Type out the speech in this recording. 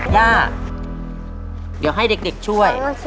ย่าเดี๋ยวให้เด็กช่วย